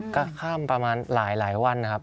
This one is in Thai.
ก็ข้ามประมาณหลายวันนะครับ